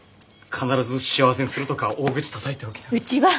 必ず幸せにするとか大口たたいておきながら。